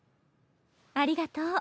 ありがとう。